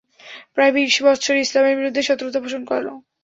প্রায় বিশ বৎসর ইসলামের বিরুদ্ধে শত্রুতা পোষণ করল।